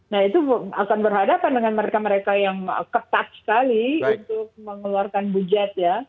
nah itu akan berhadapan dengan mereka mereka yang ketat sekali untuk mengeluarkan budget ya